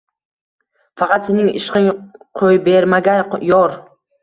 Faqat sening ishqing qo‘ybermagay, yor.